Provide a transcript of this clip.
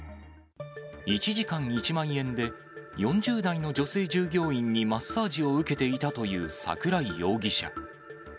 １時間１万円で、４０代の女性従業員にマッサージを受けていたという桜井容疑者。